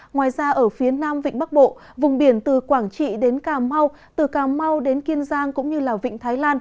ngoài ra ở phía nam vịnh bắc bộ vùng biển từ quảng trị đến cà mau từ cà mau đến kiên giang cũng như vịnh thái lan